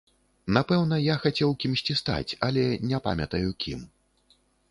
Напэўна, я хацеў кімсьці стаць, але не памятаю кім.